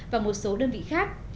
và một số đơn vị khác